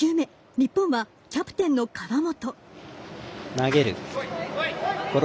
日本はキャプテンの河本。